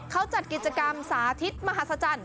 เขาจัดกิจกรรมสาธิตมหาศจรรย์